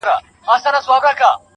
و تاسو ته يې سپين مخ لارښوونکی، د ژوند.